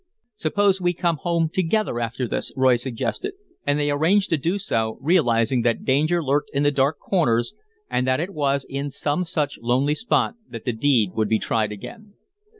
"Suppose we come home together after this," Roy suggested, and they arranged to do so, realizing that danger lurked in the dark corners and that it was in some such lonely spot that the deed would be tried again.